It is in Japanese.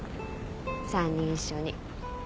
三人一緒に。